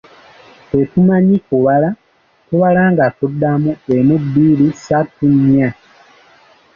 Tetumanyi kubala, tubala nga tuddamu emu, bbiri, ssatu, nnya.